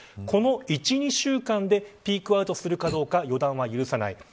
この１、２週間でピークアウトするかどうか予断は許さない。